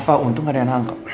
gapapa untung ga ada yang nangkap